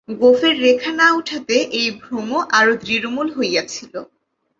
গোঁফের রেখা না উঠাতে এই ভ্রম আরো দৃঢ়মূল হইয়াছিল।